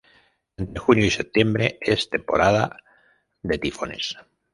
Entre junio y septiembre, es temporada de tifones.